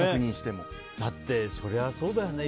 だって、そりゃそうだよね。